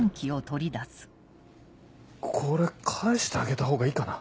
これ返してあげたほうがいいかな？